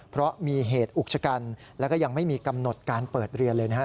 เพราะมีเหตุอุกชะกันแล้วก็ยังไม่มีกำหนดการเปิดเรียนเลยนะครับ